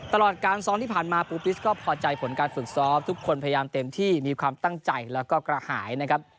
ตลอดการซ้อมที่ผ่านมาปูปิสก็พอใจผลการฝึกซ้อมทุกคนพยายามเต็มที่มีความตั้งใจแล้วก็กระหายนะครับ